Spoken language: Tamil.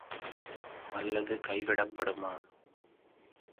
அல்லது கை விடப்படுமா?